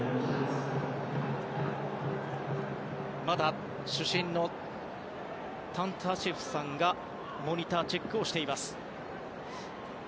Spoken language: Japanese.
まだ主審のタンタシェフさんがモニターチェックをしています。